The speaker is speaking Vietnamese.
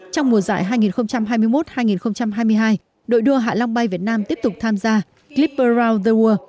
trong mùa giải hai nghìn hai mươi một hai nghìn hai mươi hai đội đua hạ long bay việt nam tiếp tục tham gia clip brown the world